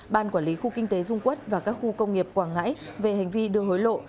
ban quản lý khu kinh tế dung quốc và các khu công nghiệp quảng ngãi về hành vi đưa hối lộ